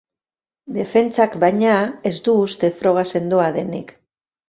Defentsak, baina, ez du uste froga sendoa denik.